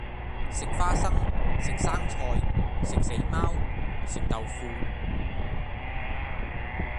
食花生，食生菜，食死貓，食豆腐